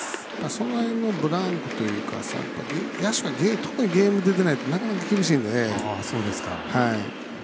その辺のブランクというか野手は特にゲームに出ないとなかなか厳しいのでね。